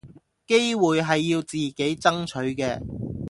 機會係要自己爭取嘅